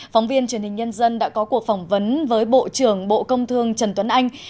phóng viên truyền hình nhân dân đã có cuộc phỏng vấn với bộ trưởng bộ công thương trần tuấn anh